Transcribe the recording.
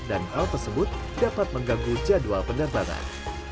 hal tersebut dapat mengganggu jadwal penerbangan